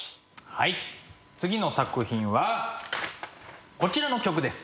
次の作品はこちらの曲です。